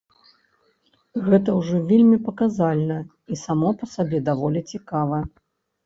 Гэта ўжо вельмі паказальна, і само па сабе даволі цікава.